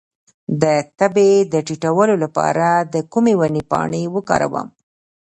د تبې د ټیټولو لپاره د کومې ونې پاڼې وکاروم؟